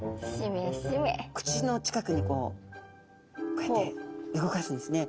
口の近くにこうこうやって動かすんですね。